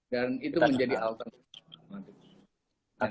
dan itu menjadi alternatif